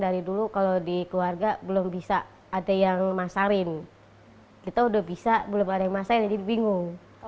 dari dulu kalau di keluarga belum bisa ada yang masarin kita udah bisa belum ada yang masain jadi bingung